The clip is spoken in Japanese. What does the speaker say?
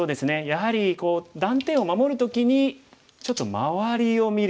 やはり断点を守る時にちょっと周りを見る必要がありますね。